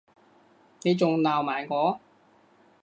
你仲鬧埋我